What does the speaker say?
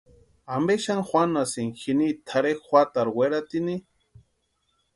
¿Ampe xani juanhasïni jini tʼarhe juatarhu weratini?